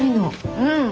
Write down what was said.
うん。